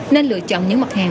nên lựa chọn những mặt hàng